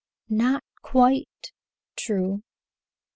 "Not quite true.